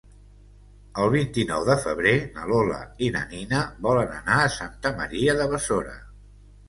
El vint-i-nou de febrer na Lola i na Nina volen anar a Santa Maria de Besora.